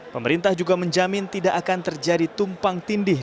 pemerintah juga menjamin tidak akan terjadi tumpang tindih